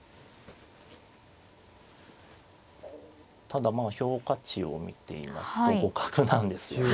ただまあ評価値を見ていますと互角なんですよね。